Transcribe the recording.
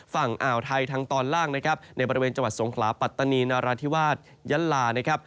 ฝั่งอ่าวไทยทางตอนล่างในบริเวณจวัดสงคลาปัตตานีนาราธิวาสยัลลา